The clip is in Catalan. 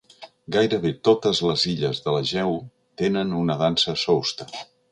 Gairebé totes les illes de l'Egeu tenen una dansa sousta.